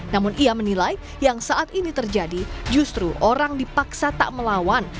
namun ia menilai yang saat ini terjadi justru orang dipaksa tak melawan